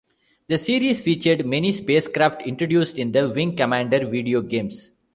The series featured many spacecraft introduced in the "Wing Commander" video games.